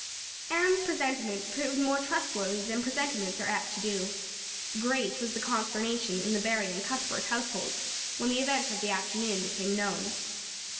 Anne's presentiment proved more trustworthy than presentiments are apt to do. Great was the consternation in the Barry and Cuthbert households when the events of the afternoon became known.